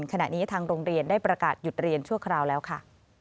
ขณะนี้ทางโรงเรียนได้ประกาศหยุดเรียนชั่วคราวแล้วค่ะ